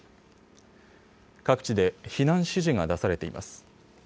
各地で避難指示が出されています。